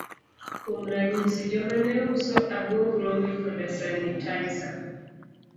Kuom ranyisi, joma ne uso abuog rombe koda sanitaisa.